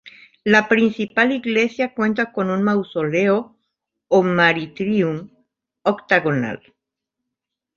La principal iglesia cuenta con un mausoleo o "martyrium" octogonal.